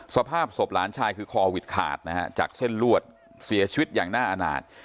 สภาพศพหลานชายคือคอวิดขาดนะฮะจากเส้นลวดเสียชีวิตอย่างน่าอาณาจ